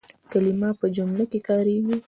کلیمه په جمله کښي کارېږي.